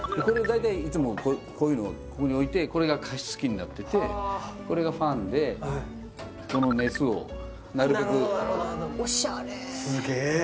これ大体いつもこういうのここに置いてこれが加湿器になっててこれがファンでこの熱をなるべくなるほどなるほどすげえ